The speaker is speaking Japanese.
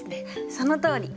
そのとおり！